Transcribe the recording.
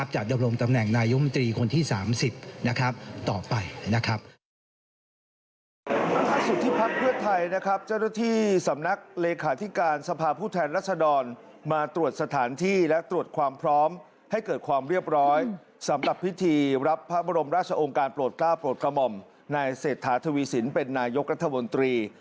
จัดดำรมตำแหน่งนายุมตรีคนที่๓๐ต่อไป